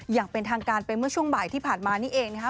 อย่างเป็นทางการไปเมื่อช่วงบ่ายที่ผ่านมานี่เองนะคะ